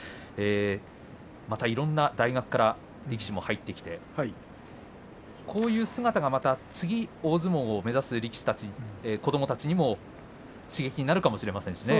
またいろんな大学から力士も入ってきてこういう姿がまた次大相撲を目指す子どもたちにも刺激になるかもしれませんしね。